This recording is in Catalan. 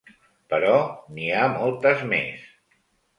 Però n'hi ha moltes més.